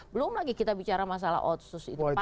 belum lagi kita bicara masalah otsus itu panjang lagi